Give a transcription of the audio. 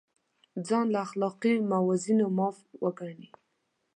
ځان له اخلاقي موازینو معاف وګڼي.